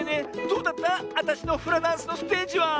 どうだったあたしのフラダンスのステージは？